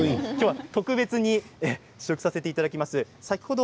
今日は特別に試食させていただきます。